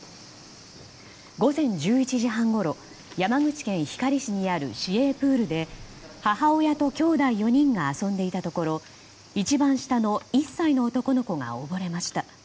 午前１１時半ごろ山口県光市にある市営プールで母親ときょうだい４人が遊んでいたところ一番下の１歳の男の子が溺れました。